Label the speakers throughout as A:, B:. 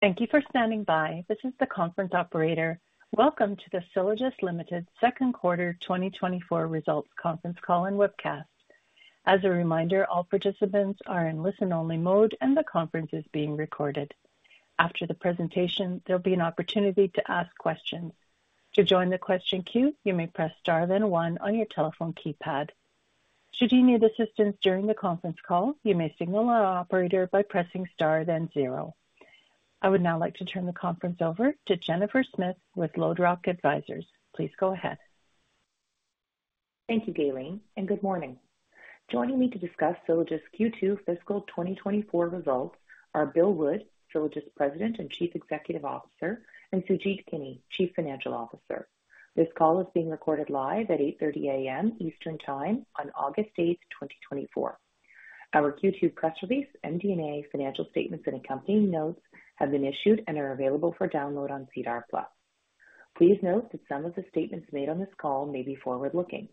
A: Thank you for standing by. This is the conference operator. Welcome to the Sylogist Limited Second Quarter 2024 Results Conference Call and Webcast. As a reminder, all participants are in listen-only mode, and the conference is being recorded. After the presentation, there'll be an opportunity to ask questions. To join the question queue, you may press Star, then one on your telephone keypad. Should you need assistance during the conference call, you may signal our operator by pressing Star, then zero. I would now like to turn the conference over to Jennifer Smith with LodeRock Advisors. Please go ahead.
B: Thank you, Dalene, and good morning. Joining me to discuss Sylogist's Q2 fiscal 2024 results are Bill Wood, Sylogist President and Chief Executive Officer, and Sujeet Kini, Chief Financial Officer. This call is being recorded live at 8:30 A.M. Eastern Time on August 8, 2024. Our Q2 press release, MD&A financial statements and accompanying notes have been issued and are available for download on SEDAR+. Please note that some of the statements made on this call may be forward-looking.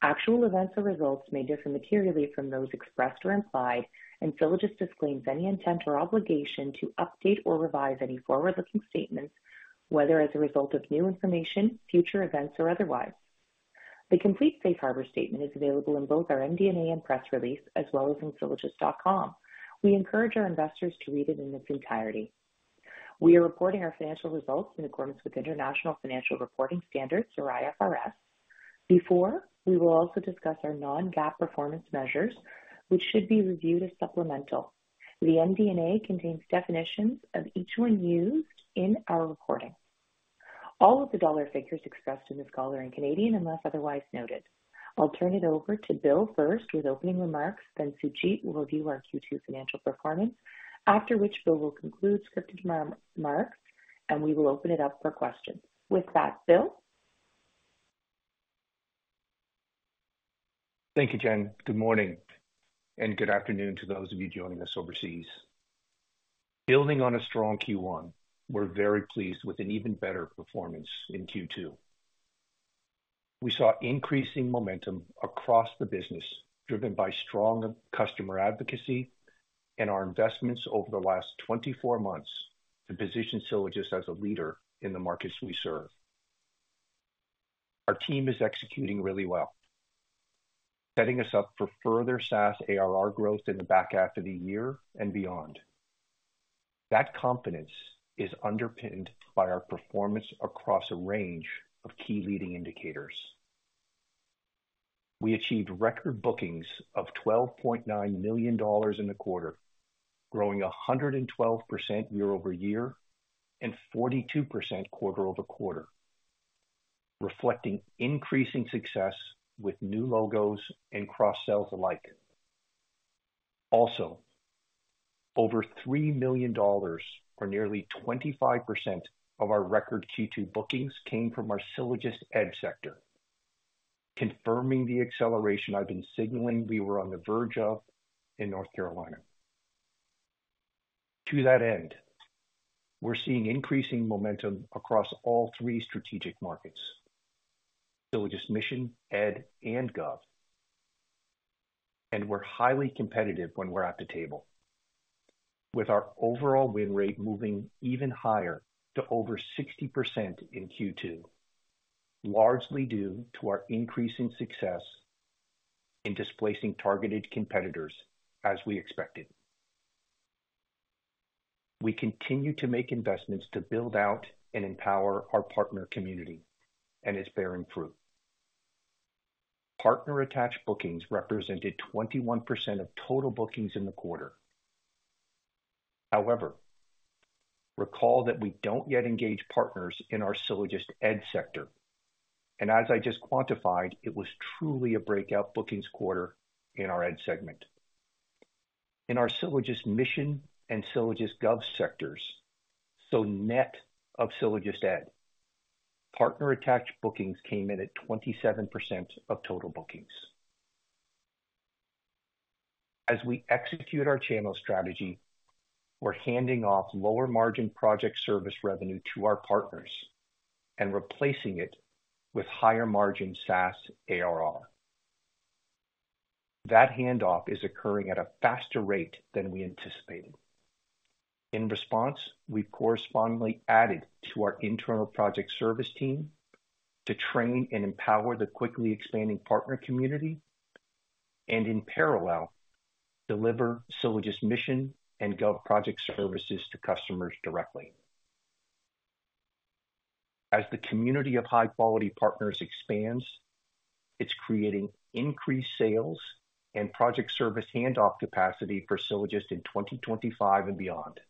B: Actual events or results may differ materially from those expressed or implied, and Sylogist disclaims any intent or obligation to update or revise any forward-looking statements, whether as a result of new information, future events, or otherwise. The complete safe harbor statement is available in both our MD&A and press release, as well as in Sylogist.com. We encourage our investors to read it in its entirety. We are reporting our financial results in accordance with International Financial Reporting Standards, or IFRS. Before we will also discuss our non-GAAP performance measures, which should be reviewed as supplemental. The MD&A contains definitions of each one used in our reporting. All of the dollar figures expressed in this call are in Canadian dollars, unless otherwise noted. I'll turn it over to Bill first with opening remarks, then Sujeet will review our Q2 financial performance, after which Bill will conclude scripted remarks, and we will open it up for questions. With that, Bill?
C: Thank you, Jen. Good morning, and good afternoon to those of you joining us overseas. Building on a strong Q1, we're very pleased with an even better performance in Q2. We saw increasing momentum across the business, driven by strong customer advocacy and our investments over the last 24 months to position Sylogist as a leader in the markets we serve. Our team is executing really well, setting us up for further SaaS ARR growth in the back half of the year and beyond. That confidence is underpinned by our performance across a range of key leading indicators. We achieved record bookings of 12.9 million dollars in the quarter, growing 112% year-over-year and 42% quarter-over-quarter, reflecting increasing success with new logos and cross-sales alike. Also, over 3 million dollars, or nearly 25% of our record Q2 bookings, came from our SylogistEd sector, confirming the acceleration I've been signaling we were on the verge of in North Carolina. To that end, we're seeing increasing momentum across all three strategic markets, SylogistMission, Ed, and Gov, and we're highly competitive when we're at the table, with our overall win rate moving even higher to over 60% in Q2, largely due to our increasing success in displacing targeted competitors as we expected. We continue to make investments to build out and empower our partner community, and it's bearing fruit. Partner-attached bookings represented 21% of total bookings in the quarter. However, recall that we don't yet engage partners in our SylogistEd sector, and as I just quantified, it was truly a breakout bookings quarter in our Ed segment. In our SylogistMission and SylogistGov sectors, so net of SylogistEd, partner-attached bookings came in at 27% of total bookings. As we execute our channel strategy, we're handing off lower margin project service revenue to our partners and replacing it with higher margin SaaS ARR. That handoff is occurring at a faster rate than we anticipated. In response, we've correspondingly added to our internal project service team to train and empower the quickly expanding partner community and, in parallel, deliver SylogistMission and Gov project services to customers directly. As the community of high-quality partners expands, it's creating increased sales and project service handoff capacity for Sylogist in 2025 and beyond.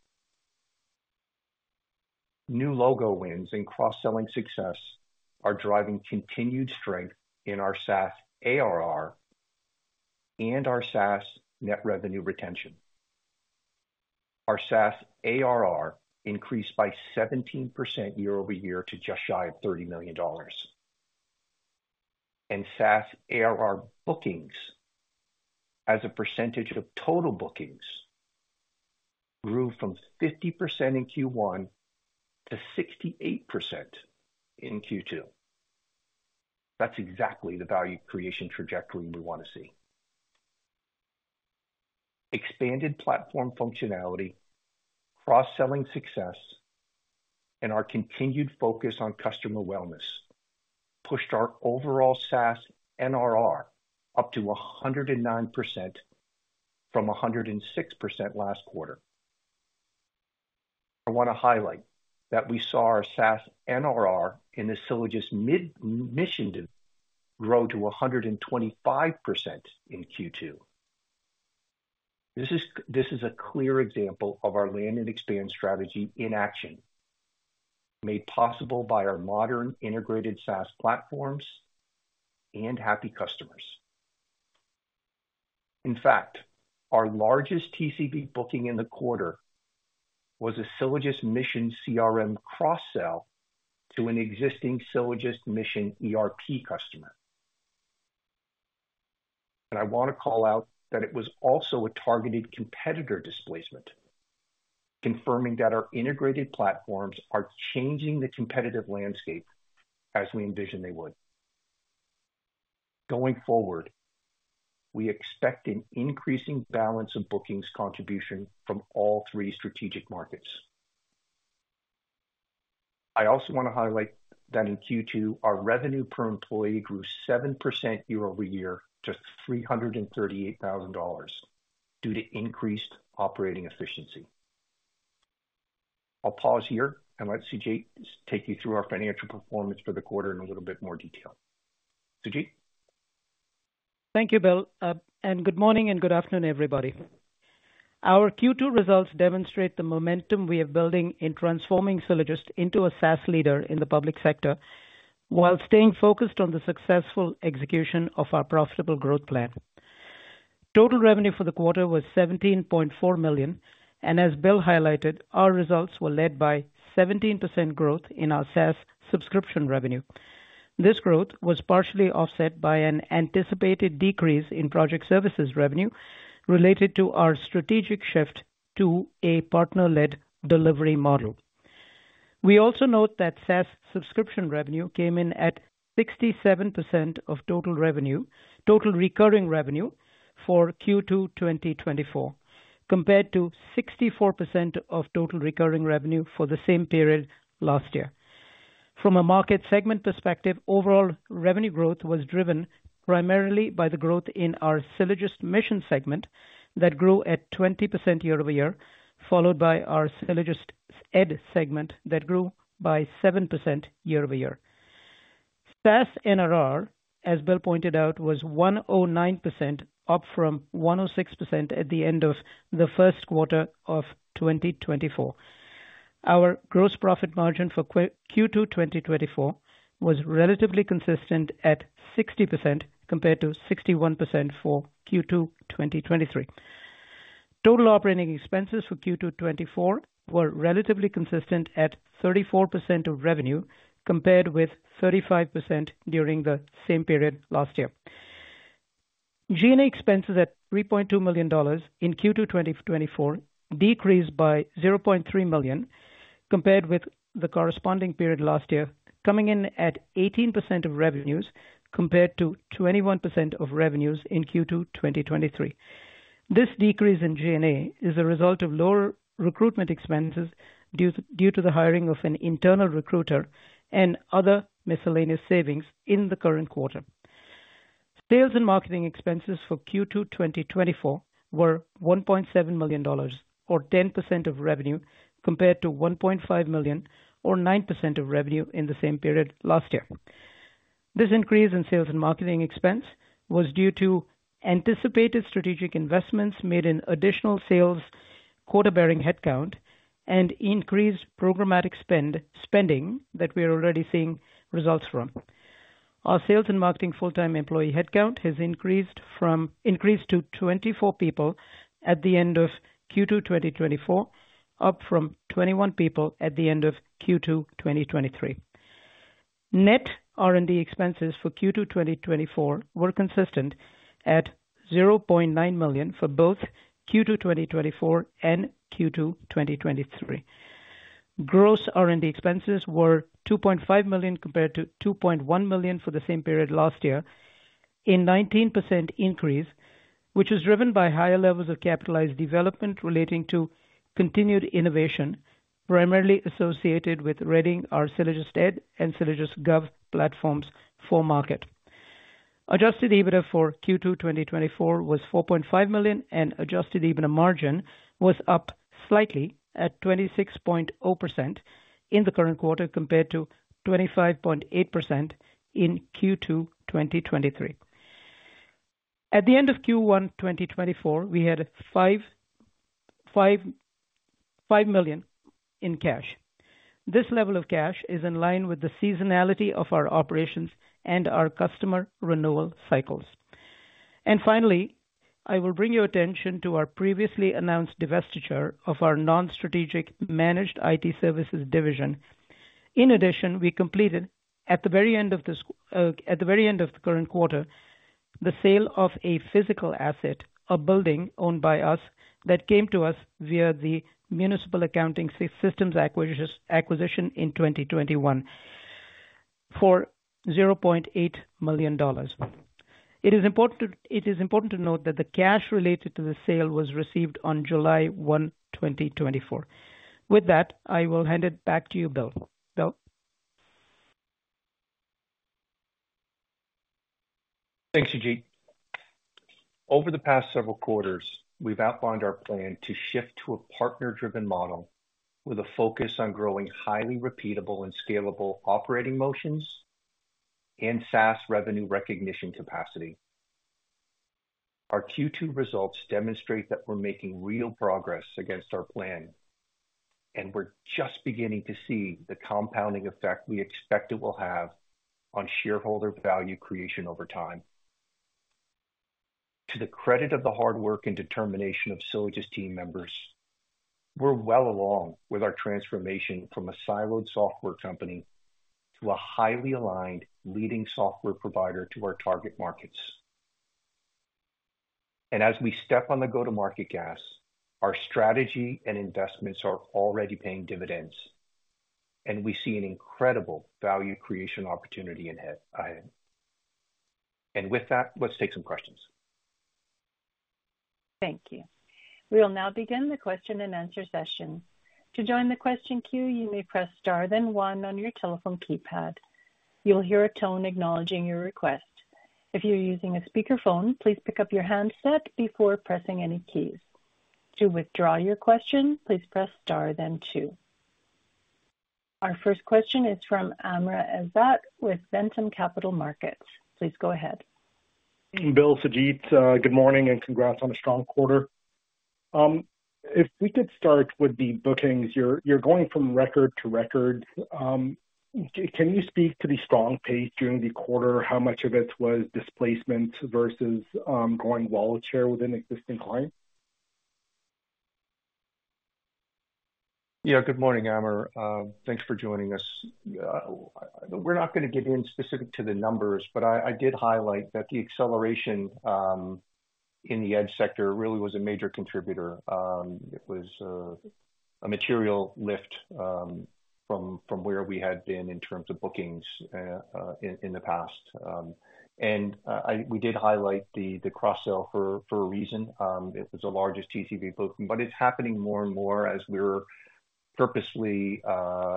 C: New logo wins and cross-selling success are driving continued strength in our SaaS ARR and our SaaS net revenue retention. Our SaaS ARR increased by 17% year-over-year to just shy of 30 million dollars, and SaaS ARR bookings as a percentage of total bookings grew from 50% in Q1 to 68% in Q2. That's exactly the value creation trajectory we want to see.... Expanded platform functionality, cross-selling success, and our continued focus on customer wellness pushed our overall SaaS NRR up to 109% from 106% last quarter. I want to highlight that we saw our SaaS NRR in the SylogistMission grow to 125% in Q2. This is, this is a clear example of our land and expand strategy in action, made possible by our modern integrated SaaS platforms and happy customers. In fact, our largest TCV booking in the quarter was a SylogistMission CRM cross-sell to an existing SylogistMission ERP customer. I want to call out that it was also a targeted competitor displacement, confirming that our integrated platforms are changing the competitive landscape as we envisioned they would. Going forward, we expect an increasing balance of bookings contribution from all three strategic markets. I also want to highlight that in Q2, our revenue per employee grew 7% year-over-year to 338,000 dollars, due to increased operating efficiency. I'll pause here and let Sujeet take you through our financial performance for the quarter in a little bit more detail. Sujeet?
D: Thank you, Bill, and good morning and good afternoon, everybody. Our Q2 results demonstrate the momentum we are building in transforming Sylogist into a SaaS leader in the public sector, while staying focused on the successful execution of our profitable growth plan. Total revenue for the quarter was 17.4 million, and as Bill highlighted, our results were led by 17% growth in our SaaS subscription revenue. This growth was partially offset by an anticipated decrease in project services revenue related to our strategic shift to a partner-led delivery model. We also note that SaaS subscription revenue came in at 67% of total revenue - total recurring revenue for Q2 2024, compared to 64% of total recurring revenue for the same period last year. From a market segment perspective, overall revenue growth was driven primarily by the growth in our SylogistMission segment, that grew at 20% year-over-year, followed by our SylogistEd segment, that grew by 7% year-over-year. SaaS NRR, as Bill pointed out, was 109%, up from 106% at the end of the first quarter of 2024. Our gross profit margin for Q2 2024 was relatively consistent at 60%, compared to 61% for Q2 2023. Total operating expenses for Q2 2024 were relatively consistent at 34% of revenue, compared with 35% during the same period last year. G&A expenses at 3.2 million dollars in Q2 2024, decreased by 0.3 million, compared with the corresponding period last year, coming in at 18% of revenues, compared to 21% of revenues in Q2 2023. This decrease in G&A is a result of lower recruitment expenses due to the hiring of an internal recruiter and other miscellaneous savings in the current quarter. Sales and marketing expenses for Q2 2024 were 1.7 million dollars, or 10% of revenue, compared to 1.5 million, or 9% of revenue in the same period last year. This increase in sales and marketing expense was due to anticipated strategic investments made in additional sales, quota bearing headcount, and increased programmatic spending that we are already seeing results from. Our sales and marketing full-time employee headcount has increased from... increased to 24 people at the end of Q2 2024, up from 21 people at the end of Q2 2023. Net R&D expenses for Q2 2024 were consistent at 0.9 million for both Q2 2024 and Q2 2023. Gross R&D expenses were 2.5 million compared to 2.1 million for the same period last year, a 19% increase, which was driven by higher levels of capitalized development relating to continued innovation, primarily associated with readying our SylogistEd and SylogistGov platforms for market. Adjusted EBITDA for Q2 2024 was 4.5 million, and adjusted EBITDA margin was up slightly at 26.0% in the current quarter, compared to 25.8% in Q2 2023. At the end of Q1 2024, we had 5.5 million in cash. This level of cash is in line with the seasonality of our operations and our customer renewal cycles. Finally, I will bring your attention to our previously announced divestiture of our non-strategic managed IT services division. In addition, we completed, at the very end of the current quarter, the sale of a physical asset, a building owned by us, that came to us via the Municipal Accounting Systems acquisition in 2021, for 0.8 million dollars. It is important to note that the cash related to the sale was received on July 1, 2024. With that, I will hand it back to you, Bill. Bill?
C: Thanks, Sujeet. Over the past several quarters, we've outlined our plan to shift to a partner-driven model, with a focus on growing highly repeatable and scalable operating motions and fast revenue recognition capacity. Our Q2 results demonstrate that we're making real progress against our plan, and we're just beginning to see the compounding effect we expect it will have on shareholder value creation over time. To the credit of the hard work and determination of Sylogist's team members, we're well along with our transformation from a siloed software company to a highly aligned leading software provider to our target markets. And as we step on the go-to-market gas, our strategy and investments are already paying dividends, and we see an incredible value creation opportunity ahead. And with that, let's take some questions.
A: Thank you. We will now begin the question and answer session. To join the question queue, you may press Star, then one on your telephone keypad. You'll hear a tone acknowledging your request. If you're using a speakerphone, please pick up your handset before pressing any keys. To withdraw your question, please press Star, then two. Our first question is from Amr Ezzat, with Ventum Capital Markets. Please go ahead.
E: Bill, Sujeet, good morning, and congrats on a strong quarter. If we could start with the bookings, you're going from record to record. Can you speak to the strong pace during the quarter? How much of it was displacement versus growing wallet share within existing clients?
C: Yeah, good morning, Amr. Thanks for joining us. We're not gonna get in specific to the numbers, but I, I did highlight that the acceleration in the Ed sector really was a major contributor. It was a material lift from where we had been in terms of bookings in the past. And I—we did highlight the cross-sell for a reason. It was the largest TCV booking, but it's happening more and more as we're purposely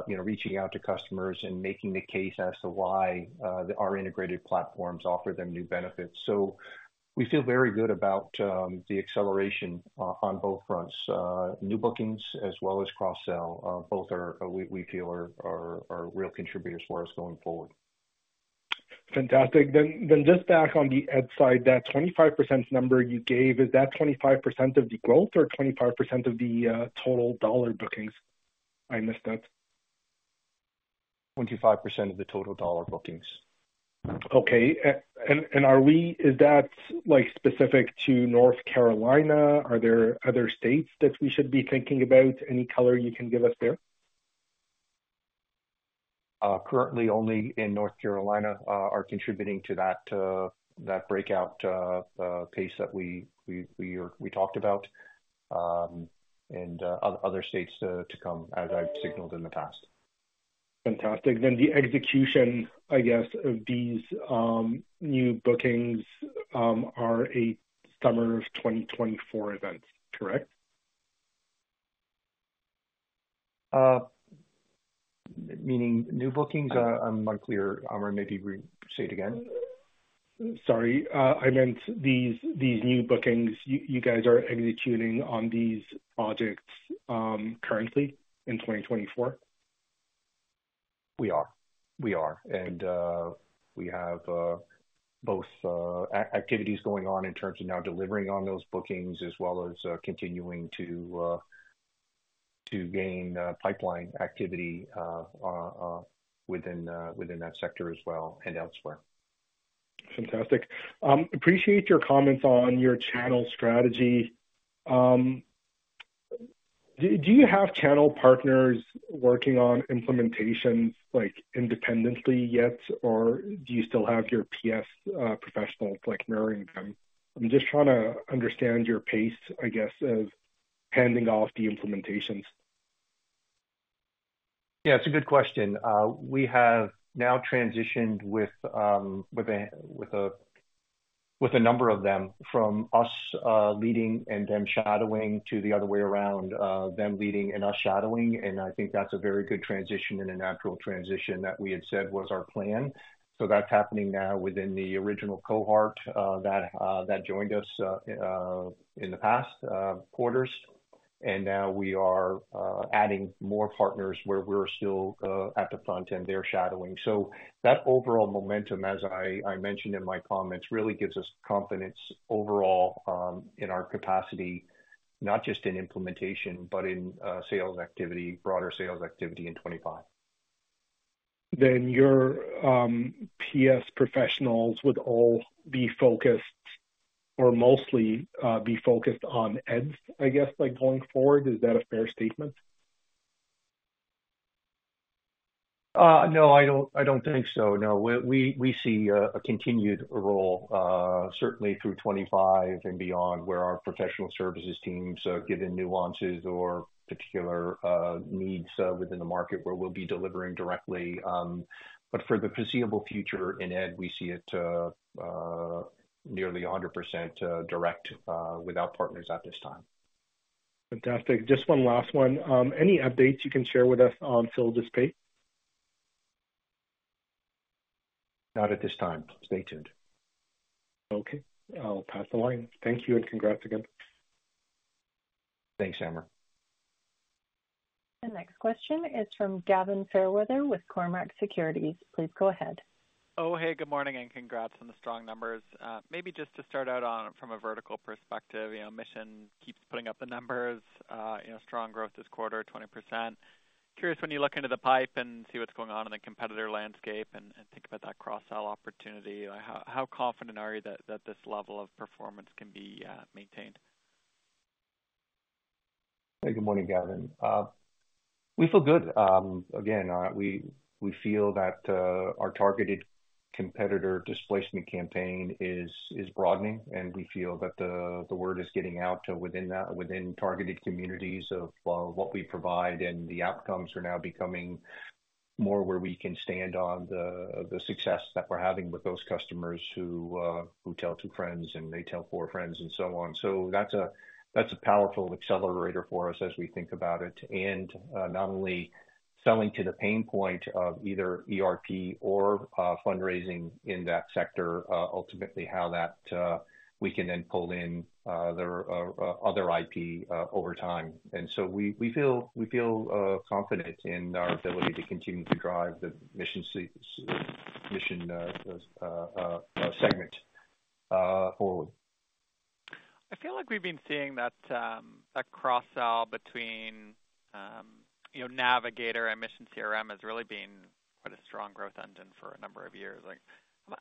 C: you know, reaching out to customers and making the case as to why our integrated platforms offer them new benefits. So we feel very good about the acceleration on both fronts. New bookings as well as cross-sell both are we, we feel are, are, are real contributors for us going forward.
E: Fantastic. Then, then just back on the Ed side, that 25% number you gave, is that 25% of the growth or 25% of the total dollar bookings? I missed that.
C: 25% of the total dollar bookings.
E: Okay. Is that, like, specific to North Carolina? Are there other states that we should be thinking about? Any color you can give us there?
C: Currently only in North Carolina are contributing to that breakout pace that we talked about, and other states to come, as I've signaled in the past.
E: Fantastic. Then the execution, I guess, of these new bookings are a summer of 2024 events, correct?
C: Meaning new bookings? I'm not clear, Amr, maybe say it again.
E: Sorry, I meant these, these new bookings, you guys are executing on these projects, currently in 2024?
C: We are. We are. And, we have both activities going on in terms of now delivering on those bookings, as well as continuing to gain pipeline activity within that sector as well and elsewhere.
E: Fantastic. Appreciate your comments on your channel strategy. Do you have channel partners working on implementations, like, independently yet, or do you still have your PS professionals, like, mirroring them? I'm just trying to understand your pace, I guess, of handing off the implementations.
C: Yeah, it's a good question. We have now transitioned with a number of them from us leading and them shadowing, to the other way around, them leading and us shadowing, and I think that's a very good transition and a natural transition that we had said was our plan. So that's happening now within the original cohort that joined us in the past quarters. And now we are adding more partners where we're still at the front and they're shadowing. So that overall momentum, as I mentioned in my comments, really gives us confidence overall in our capacity, not just in implementation, but in sales activity, broader sales activity in 2025.
E: Your PS professionals would all be focused or mostly be focused on edge, I guess, like, going forward. Is that a fair statement?
C: No, I don't, I don't think so. No, we see a continued role certainly through 2025 and beyond, where our professional services teams are given nuances or particular needs within the market where we'll be delivering directly. But for the foreseeable future in Ed, we see it nearly 100% direct without partners at this time.
E: Fantastic. Just one last one. Any updates you can share with us on Phil Despain?
C: Not at this time. Stay tuned.
E: Okay, I'll pass the line. Thank you, and congrats again.
C: Thanks, Amr.
A: The next question is from Gavin Fairweather with Cormark Securities. Please go ahead.
F: Oh, hey, good morning, and congrats on the strong numbers. Maybe just to start out on from a vertical perspective, you know, Mission keeps putting up the numbers, you know, strong growth this quarter, 20%. Curious, when you look into the pipe and see what's going on in the competitor landscape and, and think about that cross-sell opportunity, how, how confident are you that, that this level of performance can be, maintained?
C: Hey, good morning, Gavin. We feel good. Again, we feel that our targeted competitor displacement campaign is broadening, and we feel that the word is getting out within targeted communities of what we provide, and the outcomes are now becoming more where we can stand on the success that we're having with those customers who tell two friends, and they tell four friends, and so on. So that's a powerful accelerator for us as we think about it, and not only selling to the pain point of either ERP or fundraising in that sector, ultimately how that we can then pull in their other IP over time. We feel confident in our ability to continue to drive the Mission CRM segment forward.
F: I feel like we've been seeing that, that cross-sell between, you know, Navigator and Mission CRM has really been quite a strong growth engine for a number of years. Like,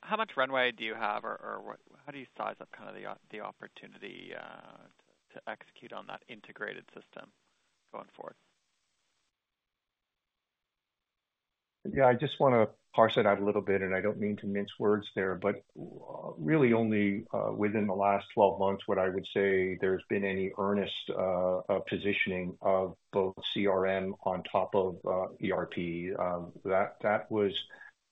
F: how much runway do you have, or how do you size up kind of the opportunity, to execute on that integrated system going forward?
C: Yeah, I just wanna parse that out a little bit, and I don't mean to mince words there, but really only within the last 12 months, what I would say, there's been any earnest positioning of both CRM on top of ERP. That was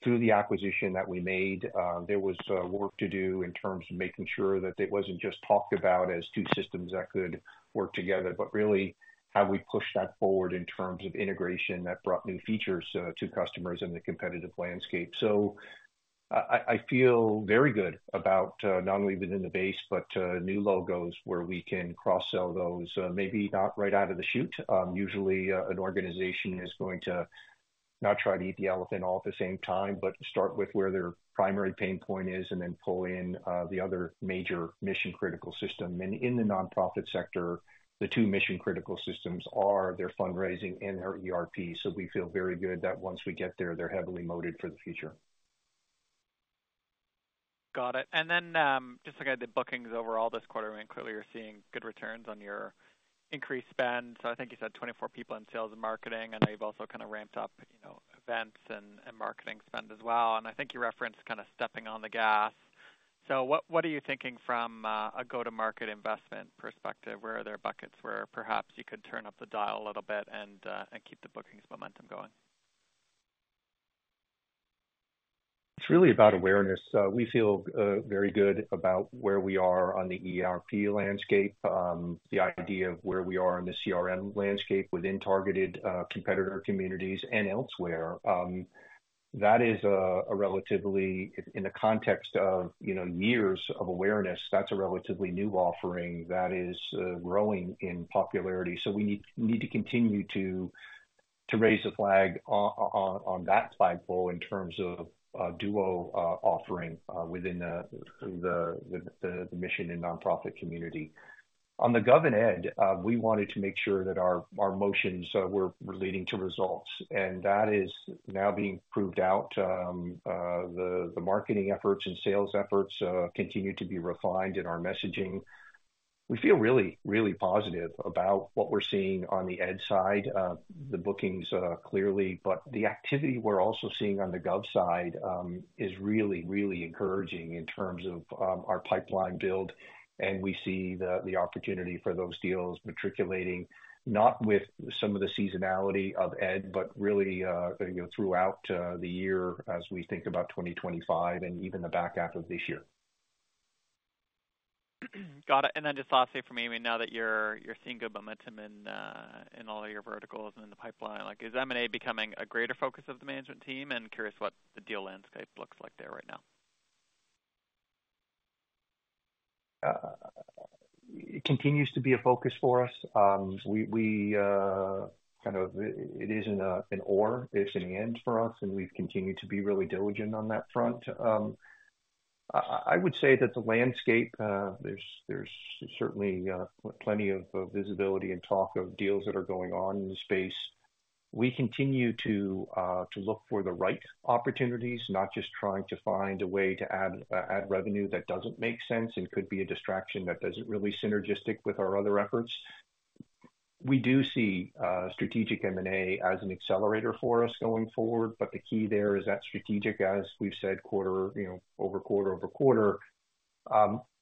C: through the acquisition that we made. There was work to do in terms of making sure that it wasn't just talked about as two systems that could work together, but really how we pushed that forward in terms of integration that brought new features to customers in the competitive landscape. So I feel very good about not only within the base, but new logos where we can cross-sell those. Maybe not right out of the chute. Usually, an organization is going to not try to eat the elephant all at the same time, but start with where their primary pain point is and then pull in the other major mission-critical system. And in the nonprofit sector, the two mission-critical systems are their fundraising and their ERP. So we feel very good that once we get there, they're heavily moated for the future.
F: Got it. And then, just looking at the bookings overall this quarter, I mean, clearly you're seeing good returns on your increased spend. So I think you said 24 people in sales and marketing, and you've also kind of ramped up, you know, events and marketing spend as well. And I think you referenced kind of stepping on the gas. So what are you thinking from a go-to-market investment perspective? Where are there buckets where perhaps you could turn up the dial a little bit and keep the bookings momentum going?
C: It's really about awareness. We feel very good about where we are on the ERP landscape, the idea of where we are in the CRM landscape within targeted competitor communities and elsewhere. That is a relatively, in the context of, you know, years of awareness, that's a relatively new offering that is growing in popularity. So we need to continue to raise the flag on that flagpole in terms of duo offering within the Mission and nonprofit community. On the Gov and Ed, we wanted to make sure that our motions were relating to results, and that is now being proved out. The marketing efforts and sales efforts continue to be refined in our messaging. We feel really, really positive about what we're seeing on the Ed side, the bookings, clearly, but the activity we're also seeing on the Gov side, is really, really encouraging in terms of, our pipeline build, and we see the opportunity for those deals matriculating, not with some of the seasonality of Ed, but really, you know, throughout the year as we think about 2025 and even the back half of this year.
F: Got it. And then just lastly from me, I mean, now that you're seeing good momentum in all of your verticals and in the pipeline, like, is M&A becoming a greater focus of the management team? And curious what the deal landscape looks like there right now?
C: It continues to be a focus for us. It isn't a, an or, it's an and for us, and we've continued to be really diligent on that front. I would say that the landscape, there's certainly plenty of visibility and talk of deals that are going on in the space. We continue to look for the right opportunities, not just trying to find a way to add revenue that doesn't make sense and could be a distraction that doesn't really synergistic with our other efforts. We do see strategic M&A as an accelerator for us going forward, but the key there is that strategic, as we've said, quarter, you know, over quarter, over quarter.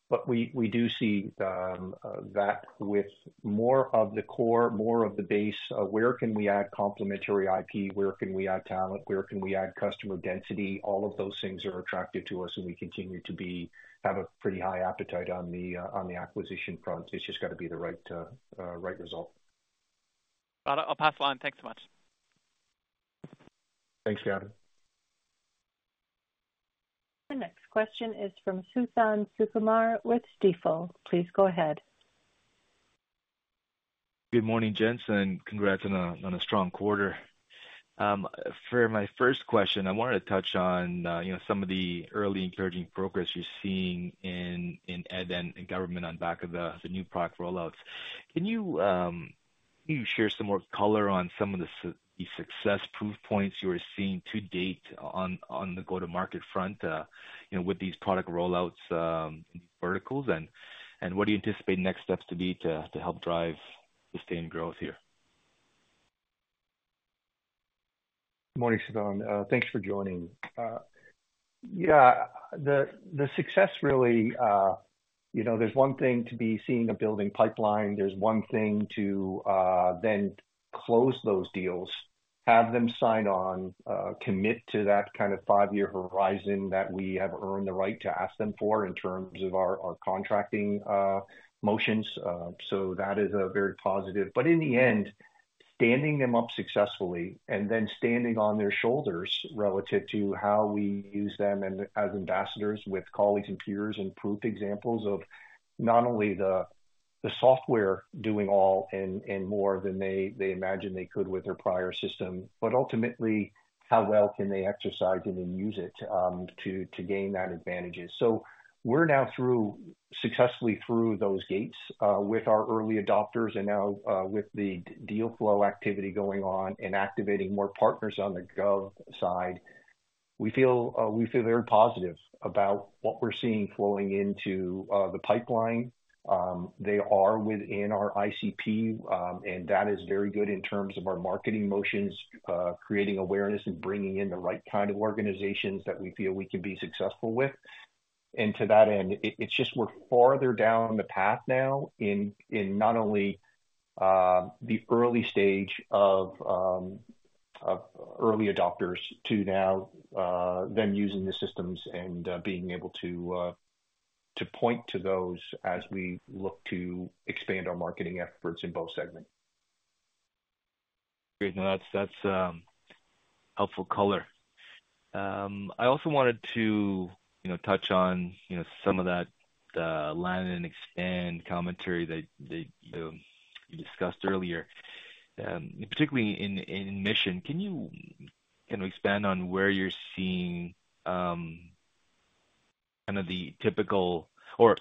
C: But we do see that with more of the core, more of the base, where can we add complementary IP? Where can we add talent? Where can we add customer density? All of those things are attractive to us, and we continue to have a pretty high appetite on the acquisition front. It's just got to be the right result.
F: I'll pass the line. Thanks so much.
C: Thanks, Gavin.
A: The next question is from Suthan Sukumar with Stifel. Please go ahead.
G: Good morning, gents, and congrats on a strong quarter. For my first question, I wanted to touch on, you know, some of the early encouraging progress you're seeing in ED and in government on back of the new product rollouts. Can you share some more color on some of the success proof points you are seeing to date on the go-to-market front, you know, with these product rollouts, verticals? And what do you anticipate next steps to be to help drive sustained growth here?
C: Morning, Suthan. Thanks for joining. Yeah, the success really, you know, there's one thing to be seeing a building pipeline. There's one thing to then close those deals, have them sign on, commit to that kind of five-year horizon that we have earned the right to ask them for in terms of our contracting motions. So that is a very positive. But in the end, standing them up successfully and then standing on their shoulders relative to how we use them and as ambassadors with colleagues and peers, and proof examples of not only the software doing all and more than they imagined they could with their prior system, but ultimately, how well can they exercise it and use it to gain that advantages? So we're now successfully through those gates with our early adopters, and now, with the deal flow activity going on and activating more partners on the gov side. We feel very positive about what we're seeing flowing into the pipeline. They are within our ICP, and that is very good in terms of our marketing motions creating awareness and bringing in the right kind of organizations that we feel we can be successful with. And to that end, it's just we're farther down the path now in not only the early stage of early adopters to now them using the systems and being able to point to those as we look to expand our marketing efforts in both segments.
G: Great. No, that's, that's, helpful color. I also wanted to, you know, touch on, you know, some of that, land and expand commentary that, that, you discussed earlier. Particularly in, in Mission, can you kind of expand on where you're seeing, kind of the typical... Or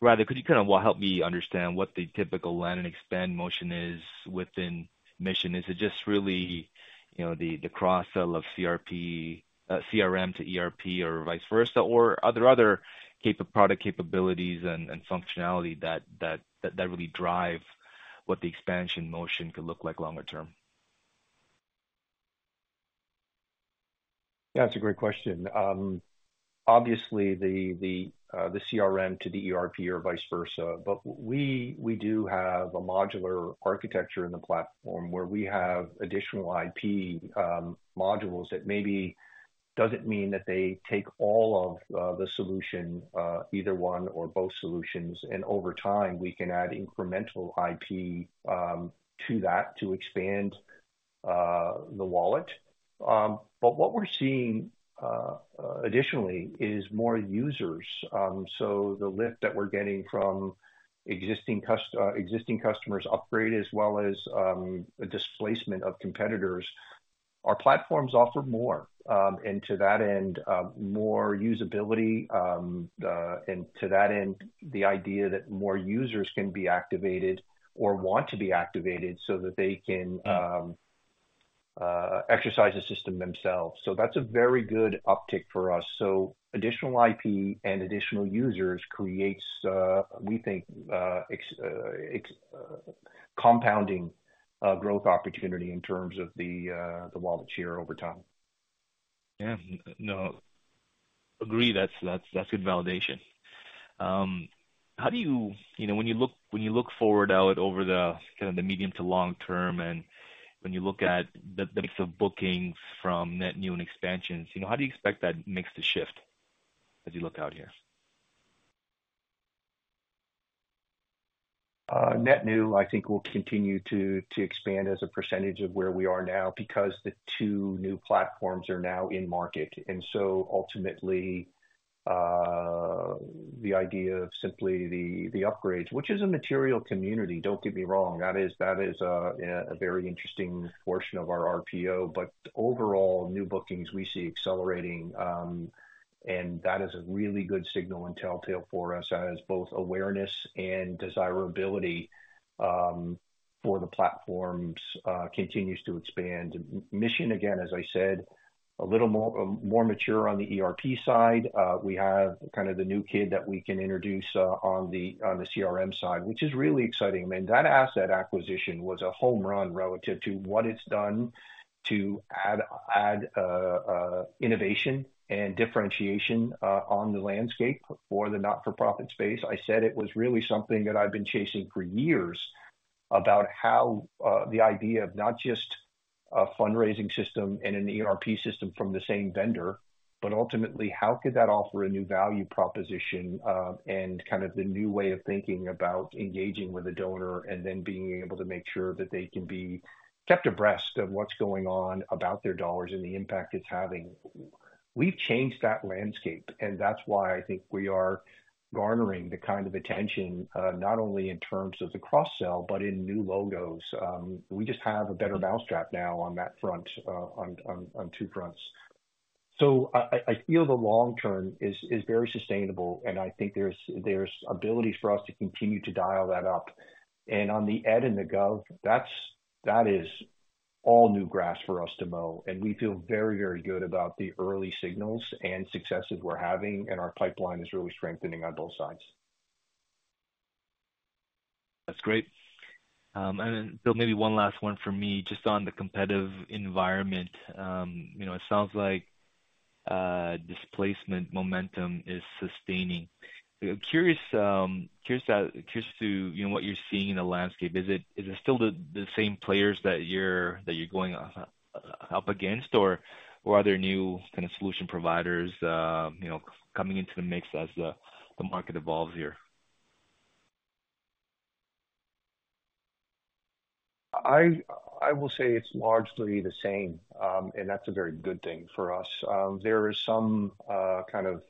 G: rather, could you kind of, well, help me understand what the typical land and expand motion is within Mission? Is it just really, you know, the, the cross-sell of CRM to ERP or vice versa, or are there other product capabilities and, and, functionality that, that, really drive what the expansion motion could look like longer term?
C: Yeah, that's a great question. Obviously, the CRM to the ERP or vice versa, but we do have a modular architecture in the platform where we have additional IP modules that maybe doesn't mean that they take all of the solution, either one or both solutions, and over time, we can add incremental IP to that to expand the wallet. But what we're seeing additionally is more users. So the lift that we're getting from existing customers upgrade, as well as a displacement of competitors. Our platforms offer more, and to that end, more usability, and to that end, the idea that more users can be activated or want to be activated so that they can exercise the system themselves. So that's a very good uptick for us. So additional IP and additional users creates, we think, compounding growth opportunity in terms of the wallet share over time.
G: Yeah. No, agree. That's good validation. How do you... You know, when you look forward out over the, kind of the medium to long term, and when you look at the mix of bookings from net new and expansions, you know, how do you expect that mix to shift as you look out here?
C: Net new, I think, will continue to expand as a percentage of where we are now, because the two new platforms are now in market. And so ultimately, the idea of simply the upgrades, which is a material community, don't get me wrong, that is a very interesting portion of our RPO. But overall, new bookings we see accelerating, and that is a really good signal and telltale for us as both awareness and desirability for the platforms continues to expand. Mission, again, as I said, a little more mature on the ERP side. We have kind of the new kid that we can introduce on the CRM side, which is really exciting. I mean, that asset acquisition was a home run relative to what it's done to add, add, innovation and differentiation, on the landscape for the not-for-profit space. I said it was really something that I've been chasing for years... about how, the idea of not just a fundraising system and an ERP system from the same vendor, but ultimately, how could that offer a new value proposition, and kind of the new way of thinking about engaging with a donor, and then being able to make sure that they can be kept abreast of what's going on about their dollars and the impact it's having. We've changed that landscape, and that's why I think we are garnering the kind of attention, not only in terms of the cross-sell, but in new logos. We just have a better mousetrap now on that front, on two fronts. So I feel the long term is very sustainable, and I think there's ability for us to continue to dial that up. And on the ed and the gov, that is all new grass for us to mow, and we feel very, very good about the early signals and successes we're having, and our pipeline is really strengthening on both sides.
G: That's great. And then Bill, maybe one last one for me, just on the competitive environment. You know, it sounds like displacement momentum is sustaining. Curious to, you know, what you're seeing in the landscape. Is it still the same players that you're going up against, or are there new kind of solution providers, you know, coming into the mix as the market evolves here?
C: I will say it's largely the same, and that's a very good thing for us. There is some kind of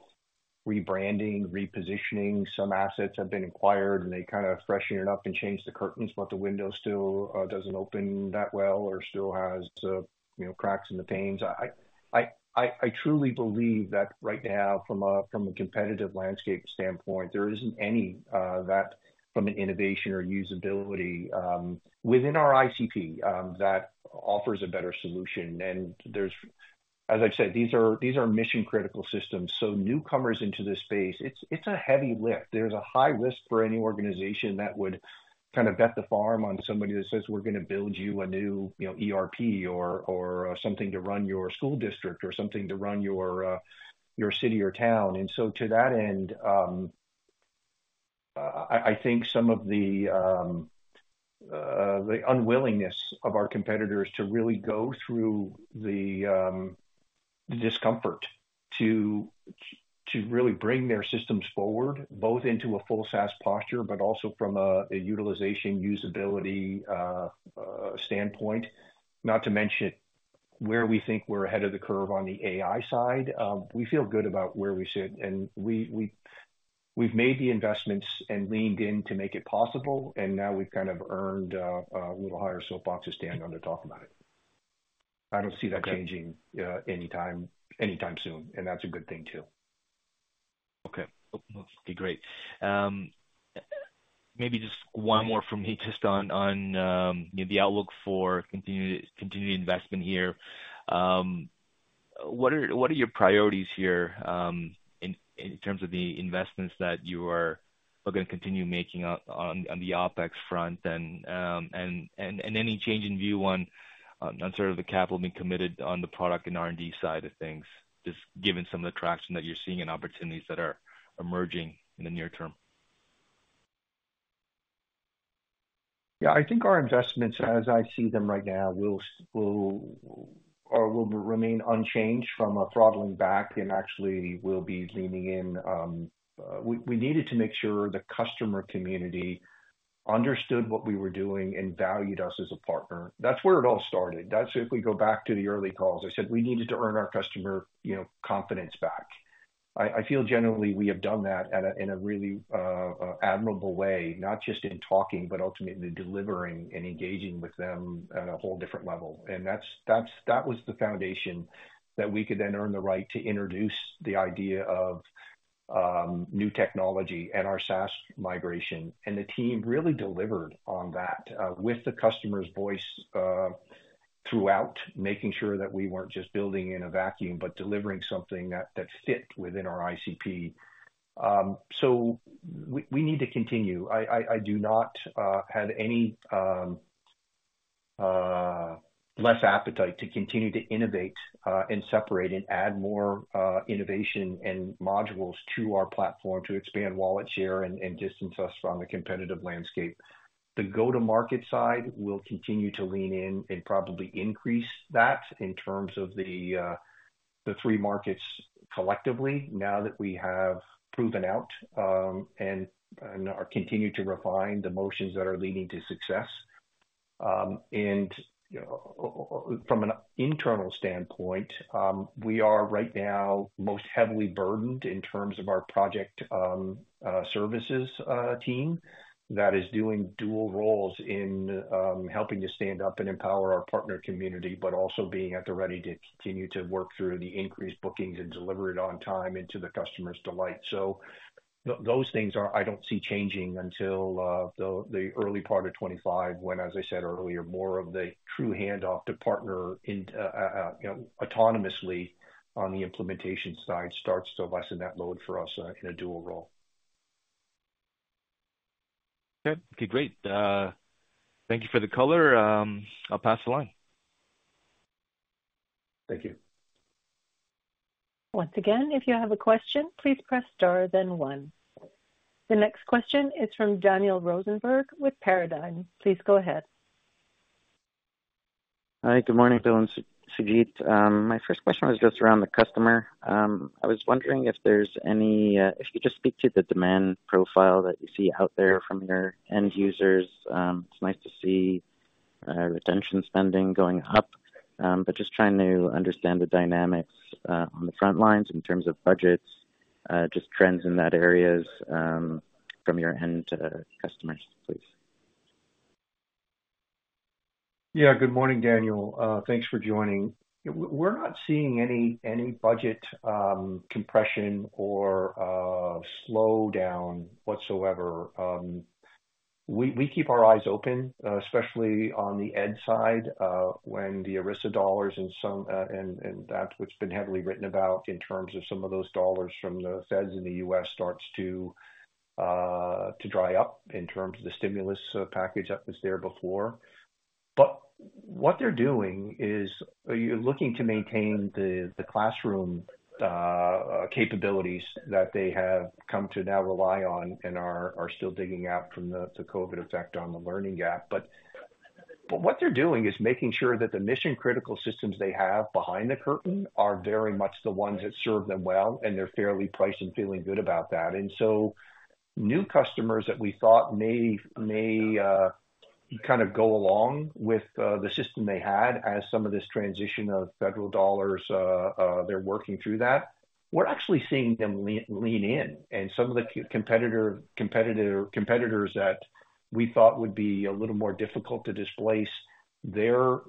C: rebranding, repositioning. Some assets have been acquired, and they kind of freshen it up and change the curtains, but the window still doesn't open that well or still has, you know, cracks in the panes. I truly believe that right now, from a competitive landscape standpoint, there isn't any that from an innovation or usability within our ICP that offers a better solution. And there's, as I've said, these are mission-critical systems, so newcomers into this space, it's a heavy lift. There's a high risk for any organization that would kind of bet the farm on somebody that says, "We're gonna build you a new, you know, ERP or something to run your school district or something to run your city or town." And so to that end, I think some of the unwillingness of our competitors to really go through the discomfort to really bring their systems forward, both into a full SaaS posture, but also from a utilization, usability standpoint, not to mention where we think we're ahead of the curve on the AI side, we feel good about where we sit, and we've made the investments and leaned in to make it possible, and now we've kind of earned a little higher soapbox to stand on to talk about it. I don't see that changing, anytime soon, and that's a good thing, too.
G: Okay. Okay, great. Maybe just one more from me, just on the outlook for continued investment here. What are your priorities here, in terms of the investments that you are looking to continue making on the OpEx front? And any change in view on sort of the capital being committed on the product and R&D side of things, just given some of the traction that you're seeing and opportunities that are emerging in the near term?
C: Yeah, I think our investments, as I see them right now, will remain unchanged from a throttling back and actually will be leaning in. We needed to make sure the customer community understood what we were doing and valued us as a partner. That's where it all started. That's, if we go back to the early calls, I said we needed to earn our customer, you know, confidence back. I feel generally we have done that in a really admirable way, not just in talking, but ultimately delivering and engaging with them at a whole different level. And that's- that was the foundation that we could then earn the right to introduce the idea of new technology and our SaaS migration. The team really delivered on that, with the customer's voice throughout, making sure that we weren't just building in a vacuum, but delivering something that fit within our ICP. So we need to continue. I do not have any less appetite to continue to innovate and separate and add more innovation and modules to our platform to expand wallet share and distance us from the competitive landscape. The go-to-market side, we'll continue to lean in and probably increase that in terms of the three markets collectively, now that we have proven out and are continuing to refine the motions that are leading to success. And, you know, from an internal standpoint, we are right now most heavily burdened in terms of our project services team that is doing dual roles in helping to stand up and empower our partner community, but also being at the ready to continue to work through the increased bookings and deliver it on time and to the customer's delight. So those things are... I don't see changing until the early part of 2025, when, as I said earlier, more of the true handoff to partner in, you know, autonomously on the implementation side, starts to lessen that load for us in a dual role.
G: Okay, great. Thank you for the color, I'll pass the line....
C: Thank you.
A: Once again, if you have a question, please press star then one. The next question is from Daniel Rosenberg with Paradigm. Please go ahead.
H: Hi, good morning, Bill and Sujeet. My first question was just around the customer. I was wondering if you could just speak to the demand profile that you see out there from your end users. It's nice to see retention spending going up, but just trying to understand the dynamics on the front lines in terms of budgets, just trends in that areas from your end customers, please.
C: Yeah. Good morning, Daniel. Thanks for joining. We're not seeing any, any budget compression or slowdown whatsoever. We keep our eyes open, especially on the ed side, when the ESSER dollars and some, and that's what's been heavily written about in terms of some of those dollars from the feds in the U.S. starts to dry up in terms of the stimulus package that was there before. But what they're doing is you're looking to maintain the classroom capabilities that they have come to now rely on and are still digging out from the COVID effect on the learning gap. But what they're doing is making sure that the mission-critical systems they have behind the curtain are very much the ones that serve them well, and they're fairly priced and feeling good about that. And so new customers that we thought may kind of go along with the system they had as some of this transition of federal dollars, they're working through that, we're actually seeing them lean in. Some of the competitors that we thought would be a little more difficult to displace, they're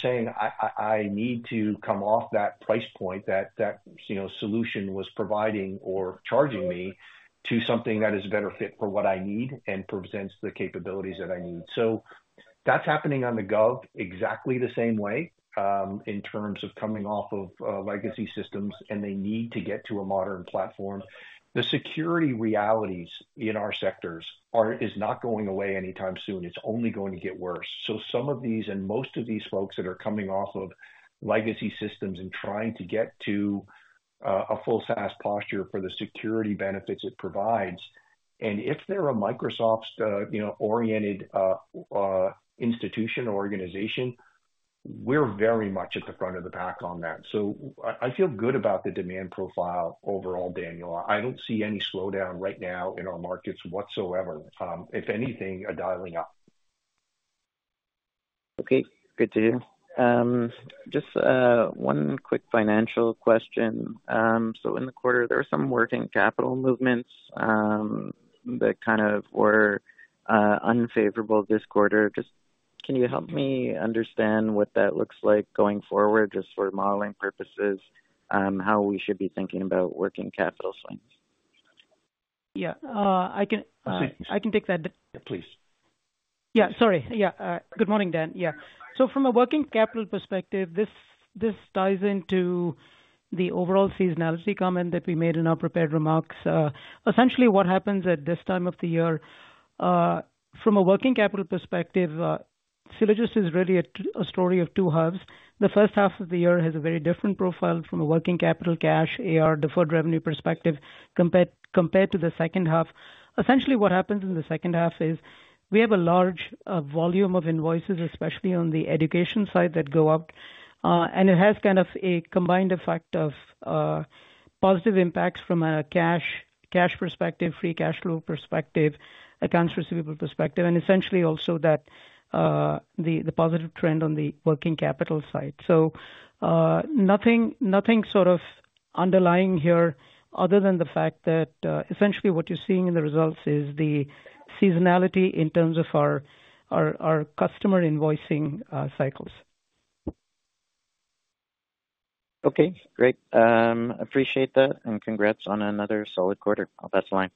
C: saying, "I need to come off that price point that you know solution was providing or charging me to something that is a better fit for what I need and presents the capabilities that I need." So that's happening on the gov exactly the same way, in terms of coming off of legacy systems, and they need to get to a modern platform. The security realities in our sectors are not going away anytime soon. It's only going to get worse. So some of these, and most of these folks that are coming off of legacy systems and trying to get to a full SaaS posture for the security benefits it provides, and if they're a Microsoft, you know, oriented institution or organization, we're very much at the front of the pack on that. So I feel good about the demand profile overall, Daniel. I don't see any slowdown right now in our markets whatsoever. If anything, are dialing up.
H: Okay, good to hear. Just one quick financial question. So in the quarter, there were some working capital movements that kind of were unfavorable this quarter. Just can you help me understand what that looks like going forward, just for modeling purposes, how we should be thinking about working capital slides?
D: Yeah, I can-
C: Please.
D: I can take that.
C: Please.
D: Yeah, sorry. Yeah. Good morning, Dan. Yeah. So from a working capital perspective, this ties into the overall seasonality comment that we made in our prepared remarks. Essentially, what happens at this time of the year, from a working capital perspective, Sylogist is really a story of two halves. The first half of the year has a very different profile from a working capital cash, AR, deferred revenue perspective, compared to the second half. Essentially, what happens in the second half is we have a large volume of invoices, especially on the education side, that go out, and it has kind of a combined effect of positive impacts from a cash perspective, free cash flow perspective, accounts receivable perspective, and essentially also the positive trend on the working capital side. So, nothing sort of underlying here other than the fact that essentially what you're seeing in the results is the seasonality in terms of our customer invoicing cycles.
H: Okay, great. Appreciate that, and congrats on another solid quarter. I'll pass the line.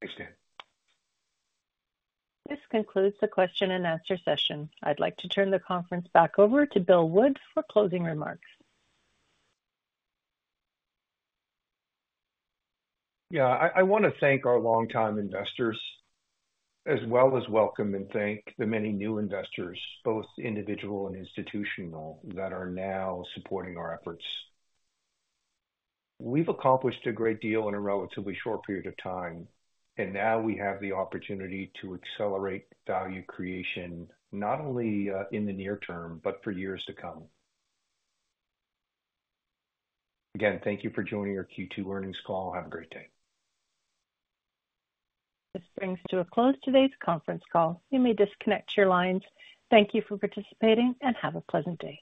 C: Thanks, Dan.
A: This concludes the question and answer session. I'd like to turn the conference back over to Bill Wood for closing remarks.
C: Yeah, I, I wanna thank our longtime investors, as well as welcome and thank the many new investors, both individual and institutional, that are now supporting our efforts. We've accomplished a great deal in a relatively short period of time, and now we have the opportunity to accelerate value creation, not only, in the near term, but for years to come. Again, thank you for joining our Q2 earnings call. Have a great day.
A: This brings to a close today's conference call. You may disconnect your lines. Thank you for participating, and have a pleasant day.